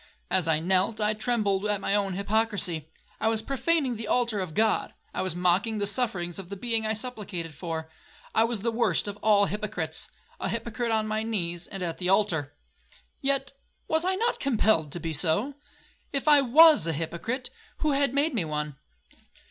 As I knelt, I trembled at my own hypocrisy. I was profaning the altar of God,—I was mocking the sufferings of the being I supplicated for,—I was the worst of all hypocrites, a hypocrite on my knees, and at the altar. Yet, was I not compelled to be so? If I was a hypocrite, who had made me one?